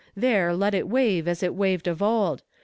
There let it wave as it waved of old.